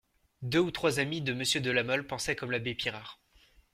Deux ou trois amis de Monsieur de La Mole pensaient comme l'abbé Pirard.